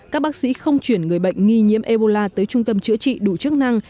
các bác sĩ không chuyển người bệnh nghi nhiễm ebola tới trung tâm chữa trị đủ chức năng